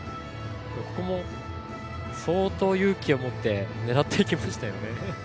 ここも相当、勇気を持って狙っていきましたよね。